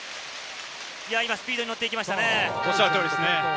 今、スピードに乗っていきましたね。